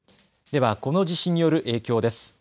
ではこの地震による影響です。